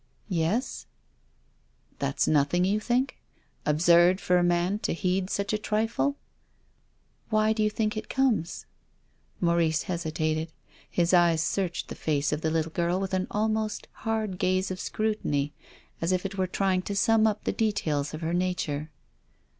"Yes?" " That's nothing — you think ? Absurd for a man to heed such a trifle?" " Why do you think it comes?" Maurice hesitated. His eyes searched the face of the little girl with an almost hard gaze of scru THE DEAD CHILD. 203 tiny, as if he were trying to sum up the details of her nature.